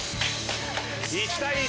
１対１。